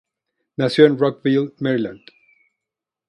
Nació en Rockville, Maryland.